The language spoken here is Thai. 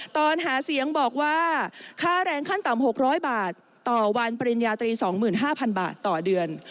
ตอนหาเสียงบอกว่าค่าแรงขั้นต่ำ๖๐๐บาทต่อวันปริญญาตรี๒๕๐๐บาทต่อเดือน